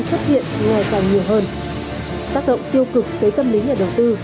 xuất hiện nghe và nhiều hơn tác động tiêu cực tới tâm lý nhà đầu tư